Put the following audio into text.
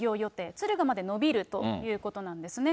敦賀まで延びるということなんですね。